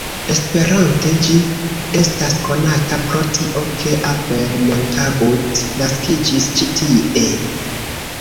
Esperante, ĝi estas konata pro tio, ke Abel Montagut naskiĝis ĉi tie.